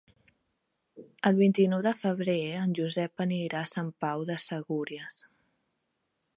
El vint-i-nou de febrer en Josep anirà a Sant Pau de Segúries.